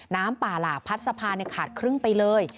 น้ำป่าหลากพัดสะพานขาดครึ่งไปเลย